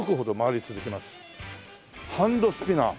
ハンドスピナー。